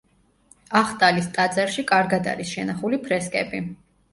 ახტალის ტაძარში კარგად არის შენახული ფრესკები.